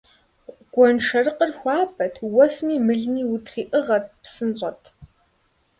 Гуэншэрыкъыр хуабэт, уэсми мылми утриӀыгъэрт, псынщӀэт.